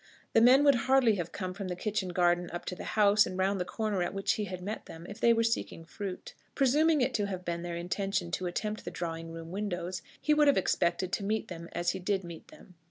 The men would hardly have come from the kitchen garden up to the house and round the corner at which he had met them, if they were seeking fruit. Presuming it to have been their intention to attempt the drawing room windows, he would have expected to meet them as he did meet them.